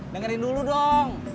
dengerin dulu dong